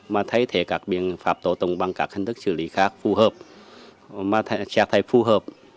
mà thay thế các biện phạm tổ tùng bằng các hình thức xử lý khác phù hợp